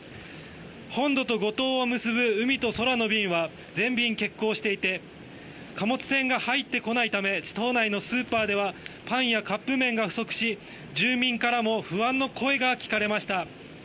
本土と五島を結ぶ海と空の便は全便欠航していて貨物船が入ってこないため島内のスーパーではパンやカップ麺が不足し住民からも不安の声が聞かれました。